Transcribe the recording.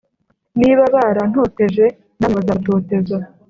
Niba barantoteje namwe bazabatoteza